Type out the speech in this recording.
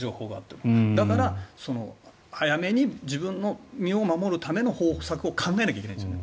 だから、早めに自分の身を守るための方策を考えなきゃいけないんですね。